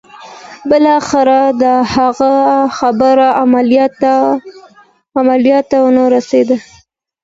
بالاخره د هغه خبره عمليات ته ورسېده.